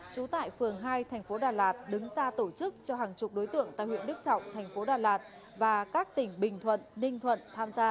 trú tại phường hai thành phố đà lạt đứng ra tổ chức cho hàng chục đối tượng tại huyện đức trọng thành phố đà lạt và các tỉnh bình thuận ninh thuận tham gia